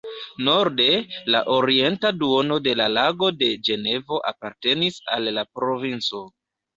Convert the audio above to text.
Norde, la orienta duono de la Lago de Ĝenevo apartenis al la provinco.